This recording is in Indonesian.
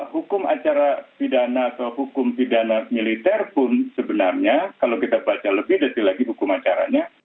hukum acara pidana atau hukum pidana militer pun sebenarnya kalau kita baca lebih detail lagi hukum acaranya